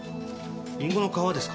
リンゴの皮ですか？